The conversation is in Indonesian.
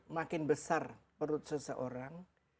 makin besar perut seseorang